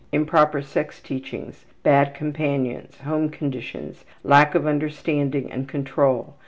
Improper sex teachings. Girl, age 13. Bad companions. Home conditions: Lack of understanding and control.